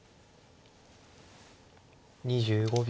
２５秒。